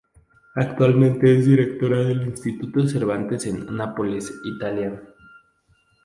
Actualmente es directora del Instituto Cervantes en Nápoles, Italia.